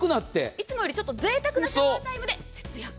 いつもよりぜいたくなシャワータイムで節約。